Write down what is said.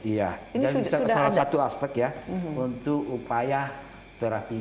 iya dan salah satu aspek ya untuk upaya terapi